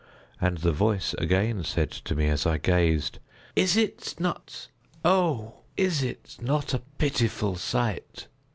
And the voice again said to me as I gazed: "Is it not—oh! is it not a pitiful sight?"